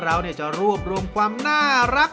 เราจะรวบรวมความน่ารัก